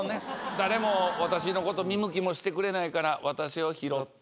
誰も私のこと見向きもしてくれないから私を拾って。